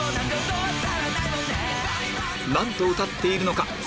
何と歌っているのか？